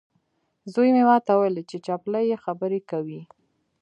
زوی مې ماته وویل چې چپلۍ یې خبرې کوي.